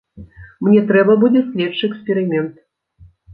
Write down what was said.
Мне трэба будзе следчы эксперымент.